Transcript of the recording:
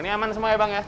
jadi aman semuanya bang ya